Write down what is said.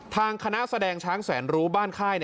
ทางคณะแสดงช้างแสนรู้บ้านค่าย